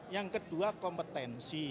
yang kedua kompetensi